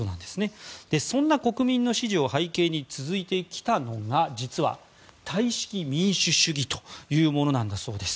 そんな国民の支持を背景に続いてきたのが実は、タイ式民主主義というものなんだそうです。